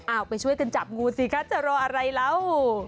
เอาไปช่วยกันจับงูสิคะจะรออะไรแล้ว